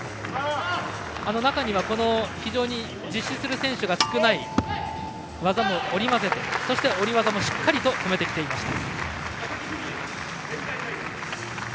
中には非常に実施する選手が少ない技も織り交ぜて、そして下り技もしっかり止めてきていました。